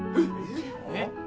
えっ！